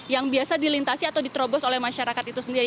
yang biasa dilintasi atau diterobos oleh masyarakat itu sendiri